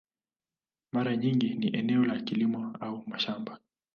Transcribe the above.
Mara nyingi ni eneo la kilimo au mashamba.